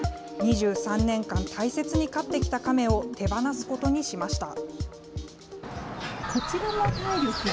２３年間、大切に飼ってきたカメを手放すことにしました。